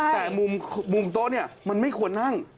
แต่มุมโต๊ะเนี่ยมันไม่ควรนั่ง